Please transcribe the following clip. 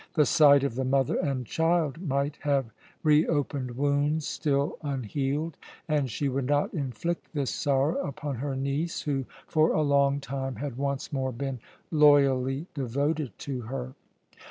The sight of the mother and child might have reopened wounds still unhealed, and she would not inflict this sorrow upon her niece, who for a long time had once more been loyally devoted to her.